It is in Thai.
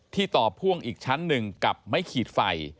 ต่อพ่วงอีกชั้นหนึ่งกับไม้ขีดไฟ